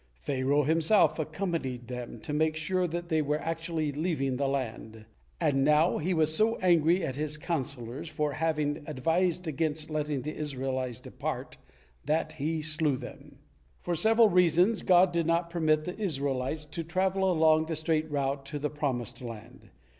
Pharaoh himself accompanied them, to make sure that they were actually leaving the land, and now he was so angry at his counselors for having advised against letting the Israelites depart that he slew them. For several reasons God did not permit the Israelites to travel along the straight route to the promised land.